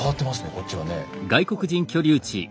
こっちはね。